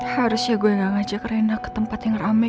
harusnya gue gak ngajak rena ke tempat yang rame